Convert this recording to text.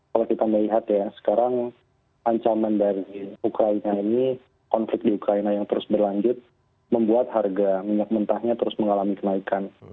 kalau kita melihat ya sekarang ancaman dari ukraina ini konflik di ukraina yang terus berlanjut membuat harga minyak mentahnya terus mengalami kenaikan